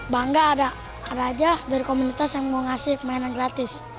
bangga ada ada aja dari komunitas yang mau ngasih mainan gratis